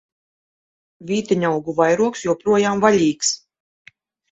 Vīteņaugu vairogs joprojām vaļīgs!